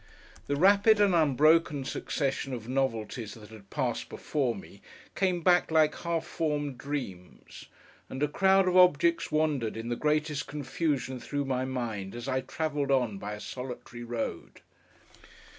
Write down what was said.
The rapid and unbroken succession of novelties that had passed before me, came back like half formed dreams; and a crowd of objects wandered in the greatest confusion through my mind, as I travelled on, by a solitary road.